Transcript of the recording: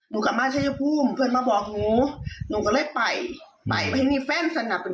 นี่คือเสียงของผู้เสียหายนะคะคุณอ้อยคนที่เป็นเมียฝรั่งคนนั้นแหละ